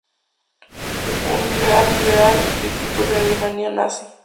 Scholl fue un liberal y crítico de la Alemania nazi.